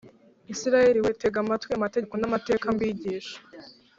Isirayeli we, tega amatwi amategeko n’amateka mbigisha